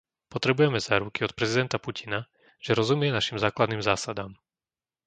Potrebujeme záruky od prezidenta Putina, že rozumie našim základným zásadám.